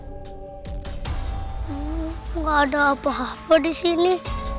tidak ada apa apa di sini